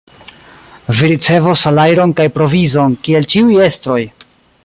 Vi ricevos salajron kaj provizon, kiel ĉiuj estroj!